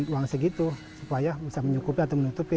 uang segitu supaya bisa menyukupi atau menutupi